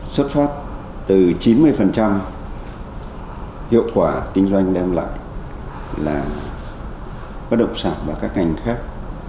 xuất phát từ chín mươi hiệu quả kinh doanh đem lại là bất động sản và các ngành khác